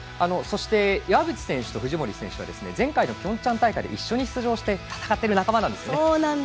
そして、岩渕選手と藤森さんは前回のピョンチャン大会で一緒に出場して戦っている仲間なんですね。